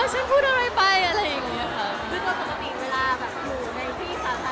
คือจริงหนูไม่ได้เวอคำพูดเค้านะคะ